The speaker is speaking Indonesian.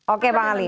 oke bang ali